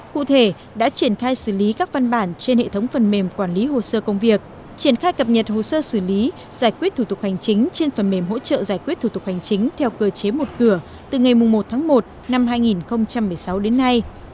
cụ thể đã triển khai xử lý các văn bản trên hệ thống phần mềm quản lý hồ sơ công việc triển khai cập nhật hồ sơ xử lý giải quyết thủ tục hành chính trên phần mềm hỗ trợ giải quyết thủ tục hành chính theo cơ chế một cửa từ ngày một tháng một năm hai nghìn một mươi sáu đến nay